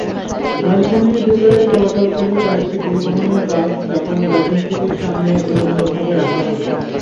রাজধানীর ভেতরে চলাচলকারী কয়েকটি পরিবহনের বাস জাপান গার্ডেন সিটির সামনে এলোমেলোভাবে রাখা হতো।